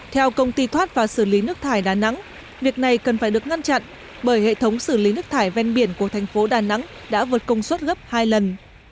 theo công ty thoát và xử lý nước thải đà nẵng việc này cần phải được ngăn chặn bởi hệ thống xử lý nước thải ven biển của thành phố đà nẵng đã vượt công suất gấp hai lần